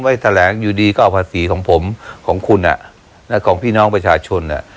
แถลงอยู่ดีก็เอาภาษีของผมของคุณอ่ะนะของพี่น้องประชาชน